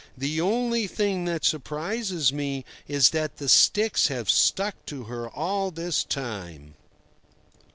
The only thing that surprises me is that the sticks have stuck to her all this time."